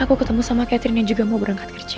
aku ketemu sama catherine yang juga mau berangkat kerja